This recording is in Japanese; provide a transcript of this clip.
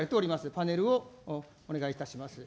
パネルをお願いいたします。